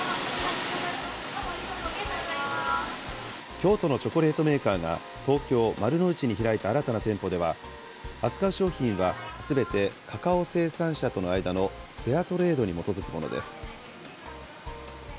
京都のチョコレートメーカーが東京・丸の内に開いた新たな店舗では、扱う商品はすべてカカオ生産者との間のフェアトレードに基づくものです。